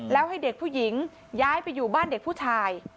แล้วให้เด็กผู้หญิงย้ายไปอยู่บ้านเด็กผู้ชาย